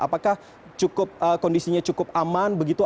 apakah kondisinya cukup aman begitu